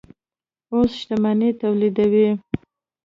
او شتمني تولیدوي.